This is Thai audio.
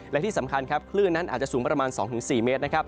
และที่สำคัญครับคลื่นนั้นอาจจะสูงประมาณ๒๔เมตรนะครับ